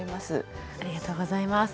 ありがとうございます。